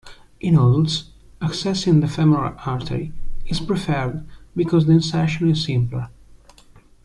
In adults accessing the femoral artery is preferred because the insertion is simpler.